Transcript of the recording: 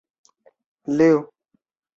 列代尔施耶德特人口变化图示